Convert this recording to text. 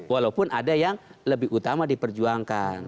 walaupun ada yang lebih utama diperjuangkan